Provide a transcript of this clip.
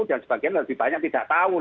dan sebagian lebih banyak tidak tahu